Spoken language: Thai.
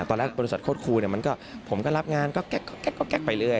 ตอนแรกบริษัทโคตรครูผมก็รับงานก็แก๊กไปเรื่อย